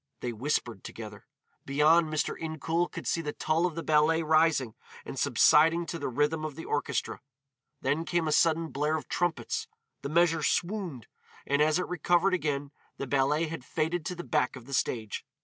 They whispered together. Beyond, Mr. Incoul could see the tulle of the ballet rising and subsiding to the rhythm of the orchestra. Then came a sudden blare of trumpets, the measure swooned, and as it recovered again the ballet had faded to the back of the stage.